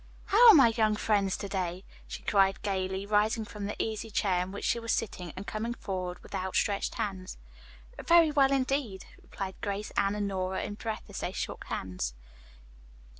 "How are my young friends, to day!" she cried gayly, rising from the easy chair in which she was sitting and coming forward with out stretched hands. "Very well, indeed," replied Grace, Anne and Nora in a breath as they shook hands.